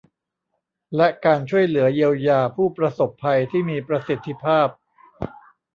และการช่วยเหลือเยียวยาผู้ประสบภัยที่มีประสิทธิภาพ